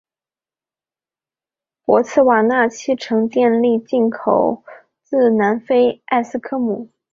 博茨瓦纳七成电力进口自南非的埃斯科姆。